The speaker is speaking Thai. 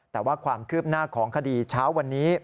แต่ว่าความคืบหน้าของคดีเช้าวันนี้